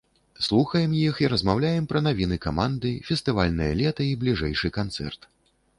Слухаем іх і размаўляем пра навіны каманды, фестывальнае лета і бліжэйшы канцэрт.